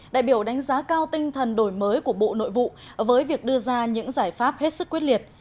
đại biểu đánh giá cao tinh thần đổi mới của bộ nội vụ với việc đưa ra những giải pháp hết sức quyết liệt